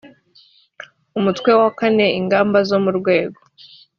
umutwe wa kane ingamba zo mu rwego